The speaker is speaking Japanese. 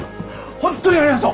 本当にありがとう！